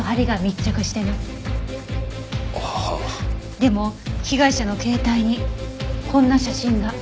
でも被害者の携帯にこんな写真が。